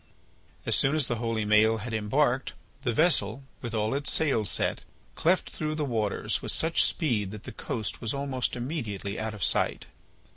As soon as the holy Maël had embarked, the vessel, with all its sails set, cleft through the waters with such speed that the coast was almost immediately out of sight.